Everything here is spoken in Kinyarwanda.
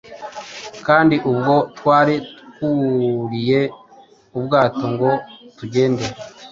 kandi ubwo twari twuriye ubwato ngo tugende,